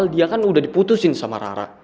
dia kan udah diputusin sama rara